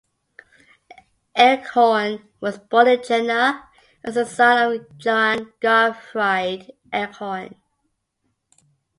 Eichhorn was born in Jena as the son of Johann Gottfried Eichhorn.